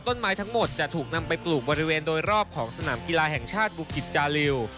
ต้นไม้ทั้งหมดจะถูกนำไปปลูกบริเวณโดยรอบของสนามกีฬาแห่งชาติบุกิจจาริว